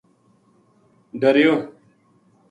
ڈریور